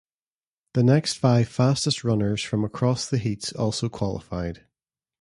The next five fastest runners from across the heats also qualified.